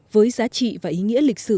với giá trị và ý nghĩa lịch sử